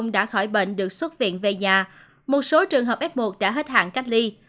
đã khỏi bệnh được xuất viện về nhà một số trường hợp f một đã hết hạn cách ly